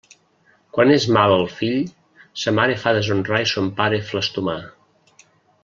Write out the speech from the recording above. Quan és mal el fill, sa mare fa deshonrar i son pare flastomar.